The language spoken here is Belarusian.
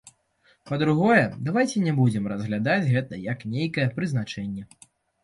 Па-другое, давайце не будзем разглядаць гэта як нейкае прызначэнне.